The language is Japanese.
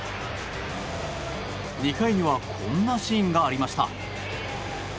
２回にはこんなシーンがありました。